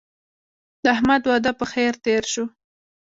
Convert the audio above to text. د احمد واده په خیر تېر شو.